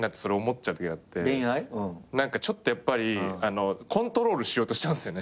何かちょっとやっぱりコントロールしようとしちゃうんすよね。